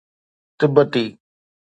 تبتي